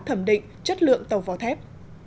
thẩm định chất lượng tàu vỏ thép